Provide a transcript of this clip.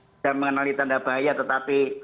tidak mengenali tanda bahaya tetapi